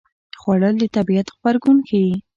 خوړل د طبیعت غبرګون ښيي